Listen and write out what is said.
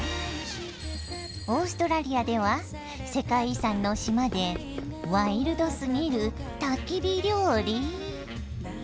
オーストラリアでは世界遺産の島でワイルドすぎるたき火料理？